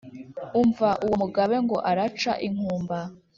umva uwo mugabe ngo araca inkumba